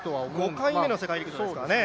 ５回目の世界陸上ですからね。